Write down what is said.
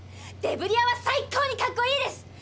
デブリ屋は最高にかっこいいです！